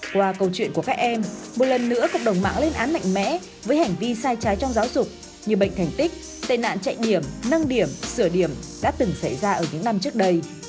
qua câu chuyện của các em một lần nữa cộng đồng mạng lên án mạnh mẽ với hành vi sai trái trong giáo dục như bệnh thành tích tệ nạn chạy điểm nâng điểm sửa điểm đã từng xảy ra ở những năm trước đây